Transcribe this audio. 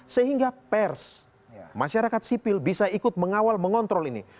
sehingga pers masyarakat sipil bisa ikut mengawal mengontrol ini